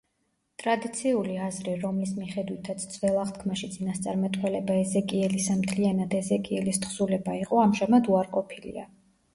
ტრადიციული აზრი, რომლის მიხედვითაც ძველ აღთქმაში „წინასწარმეტყველება ეზეკიელისა“ მთლიანად ეზეკიელის თხზულება იყო, ამჟამად უარყოფილია.